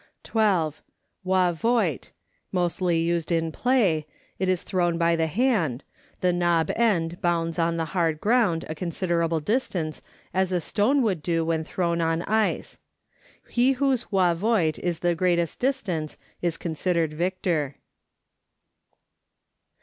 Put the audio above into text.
4 (12.) Wa voit, mostly used in play ; it is thrown by the hand ; the knob end bounds on the hard ground a considerable distance as a stone would do when thrown on ice. He whose wa voit is the greatest distance is considered victor.